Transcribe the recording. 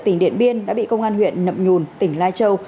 tỉnh điện biên đã bị công an huyện nậm nhùn tỉnh lai châu